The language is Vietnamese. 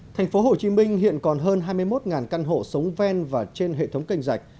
thành phố hồ chí minh hiện còn hơn hai mươi một căn hộ sống ven và trên hệ thống kênh rạch